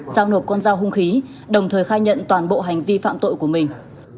giao nộp con dao hung khí đồng thời khai nhận toàn bộ hành vi phạm tội của mình